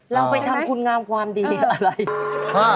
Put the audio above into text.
เราไปทำคุณงามความดีอะไร